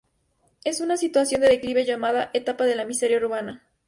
Es una situación de declive llamada "etapa de la miseria urbana".